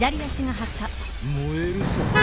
燃えるさ。